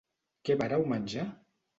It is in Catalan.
Què vareu menjar?